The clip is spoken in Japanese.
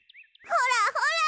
ほらほら！